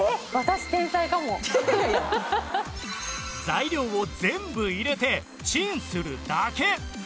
材料を全部入れてチンするだけ！